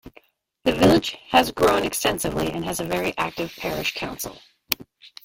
The village has grown extensively and has a very active parish council.